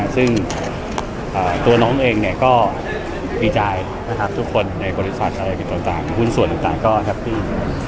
ซึ่งตัวน้องเองก็ดีใจทุกคนในกลุ่นส่วนต่างก็แฮปปี้